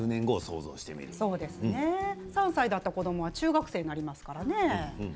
３歳だった子どもが中学生になりますからね。